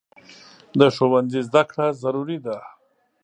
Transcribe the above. د ښوونځي زده کړه ضروري ده.